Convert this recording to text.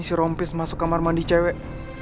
si rompis masuk kamar mandi cewek